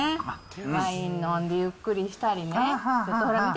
ワイン飲んでゆっくりしたりね。